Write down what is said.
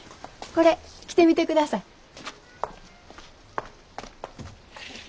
これ着てみてください。